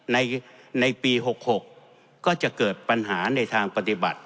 ในปี๖๖ก็จะเกิดปัญหาในทางปฏิบัติ